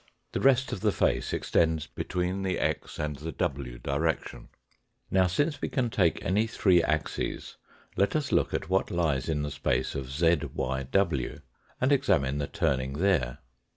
The rest of the face extends between the x and the w direction. Now, since we can take any three axes, let us look at what lies in Fig. 5 (133). the space of zyiv, and examine the turning there.